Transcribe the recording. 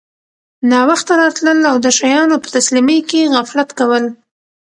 ناوخته راتلل او د شیانو په تسلیمۍ کي غفلت کول